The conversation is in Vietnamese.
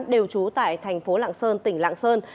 đều chú tại tp lạng sơn tỉnh lạng sơn